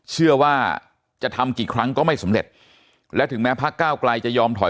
เชื่อว่าจะทำกี่ครั้งก็ไม่สำเร็จและถึงแม้พักก้าวไกลจะยอมถอย